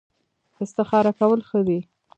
استخاره کول ښه دي